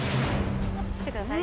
待ってください。